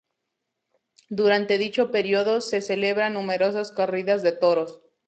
Durante dicho período se celebran numerosas corridas de toros.